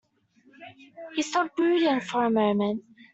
He stood brooding for a moment.